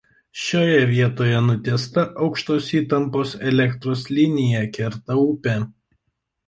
Šioje vietoje nutiesta aukštos įtampos elektros linija kerta upę.